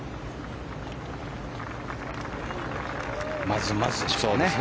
まずまずでしょうね。